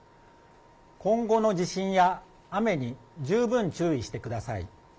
今後の地震や雨に十分注意してください。